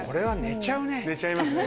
寝ちゃいますね。